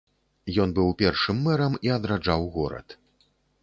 Ён быў першым мэрам і адраджаў горад.